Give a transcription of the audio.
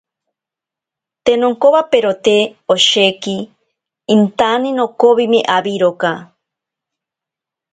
Te nonkowaperote osheki, intane nokovwime awiroka.